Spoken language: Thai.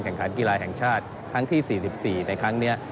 ขันกีฬาแห่งชาติครั้งที่๔๔ในครั้งนี้